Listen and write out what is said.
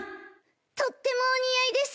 とってもお似合いです